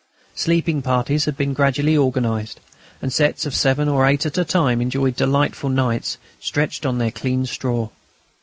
Sleeping parties had been gradually organised, and sets of seven or eight at a time enjoyed delightful nights, stretched on their clean straw.